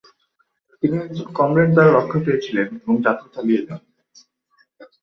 তিনি একজন কমরেড দ্বারা রক্ষা পেয়েছিলেন এবং যাত্রা চালিয়ে যান।